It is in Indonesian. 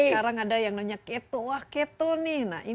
sekarang ada yang namanya keto wah keto nih